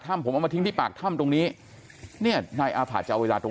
ถ้ำผมเอามาทิ้งที่ปากถ้ำตรงนี้นายอภาษจะเอาเวลาตรง